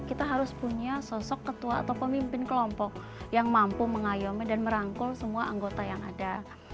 kita harus punya sosok ketua atau pemimpin kelompok yang mampu mengayomi dan merangkul semua anggota yang ada